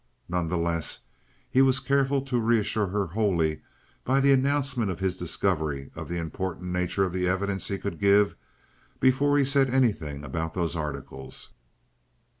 None the less, he was careful to reassure her wholly by the announcement of his discovery of the important nature of the evidence he could give, before he said anything about those articles.